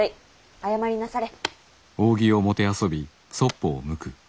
謝りなされ。